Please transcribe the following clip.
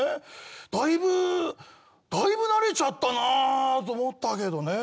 だいぶだいぶ慣れちゃったなと思ったけどね。